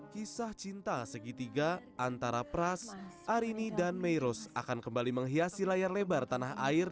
kisah cinta segitiga antara pras arini dan meirose akan kembali menghiasi layar lebar tanah air